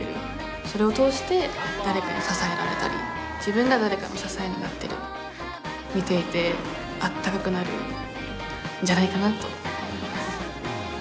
それを通して誰かに支えられたり自分が誰かの支えになったり見ていてあったかくなるんじゃないかなと思います。